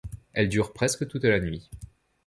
Elle dure presque toute la nuit.